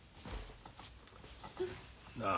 なあ。